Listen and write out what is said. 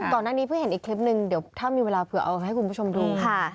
ก่อนหน้านี้เพิ่งเห็นอีกคลิปนึงเดี๋ยวถ้ามีเวลาเผื่อเอาให้คุณผู้ชมดูค่ะ